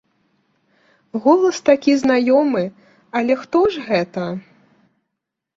Голас такі знаёмы, але хто ж гэта?